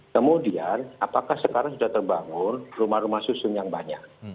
kemudian apakah sekarang sudah terbangun rumah rumah susun yang banyak